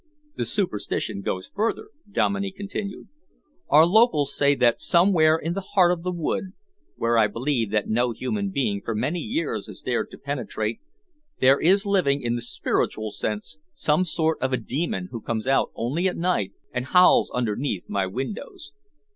"The superstition goes further," Dominey continued. "Our locals say that somewhere in the heart of the wood, where I believe that no human being for many years has dared to penetrate, there is living in the spiritual sense some sort of a demon who comes out only at night and howls underneath my windows."